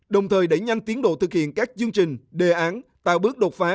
đồng thời đẩy nhanh tiến độ thực hiện các chương trình đề án tạo bước đột phá